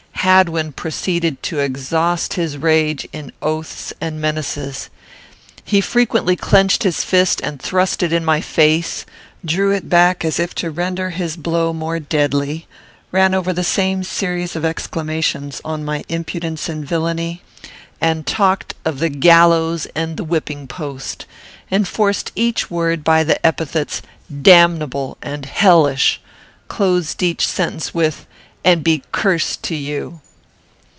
Hadwin proceeded to exhaust his rage in oaths and menaces. He frequently clenched his fist and thrust it in my face, drew it back as if to render his blow more deadly; ran over the same series of exclamations on my impudence and villany, and talked of the gallows and the whipping post; enforced each word by the epithets damnable and hellish; closed each sentence with "and be curst to you!"